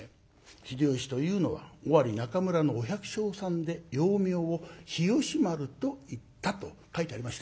「秀吉というのは尾張・中村のお百姓さんで幼名を日吉丸といった」と書いてありましたよ。